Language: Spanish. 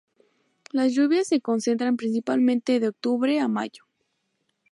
Las lluvias se concentran principalmente de octubre a mayo.